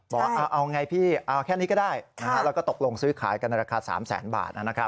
บอกเอาไงพี่เอาแค่นี้ก็ได้แล้วก็ตกลงซื้อขายกันในราคา๓แสนบาท